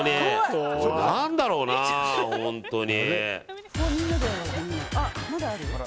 何だろうな、本当に。